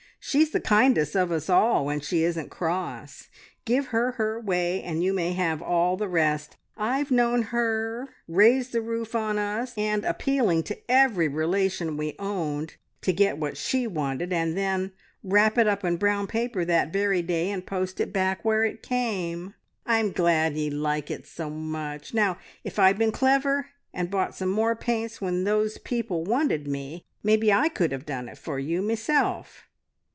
"She's the kindest of us all when she isn't cross. Give her her way, and you may have all the rest. I've known her raise the roof on us, and appealing to every relation we owned, to get what she wanted, and then wrap it up in brown paper that very day, and post it back where it came. I'm glad ye like it so much. Now if I'd been clever, and bought some more paints when those people wanted me, maybe I could have done it for you meself."